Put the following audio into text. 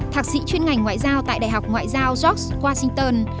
thạc sĩ chuyên ngành ngoại giao tại đại học ngoại giao jobs washington